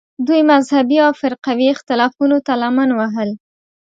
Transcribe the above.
دوی مذهبي او فرقوي اختلافونو ته لمن وهل